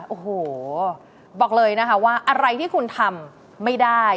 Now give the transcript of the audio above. โอ้โหบอกเลยนะคะว่าอะไรที่คุณทำไม่ได้